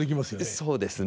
そうですね。